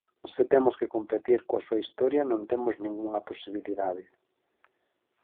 Se temos que competir coa súa historia non temos ningunha posibilidade.